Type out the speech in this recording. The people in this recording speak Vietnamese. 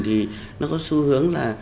thì nó có xu hướng là